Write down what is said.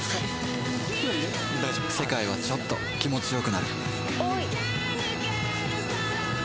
世界はちょっと気持ちよくなる